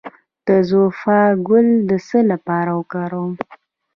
د زوفا ګل د څه لپاره وکاروم؟